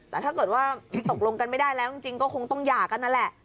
แต่ถ้าเกิดว่าตกลงกันไม่ได้แล้วจริงก็คงต้องหย่ากันนั่นแหละ